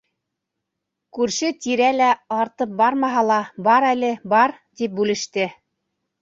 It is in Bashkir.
Күрше-тирә лә, артып бармаһа ла, бар әле, бар тип, бүлеште.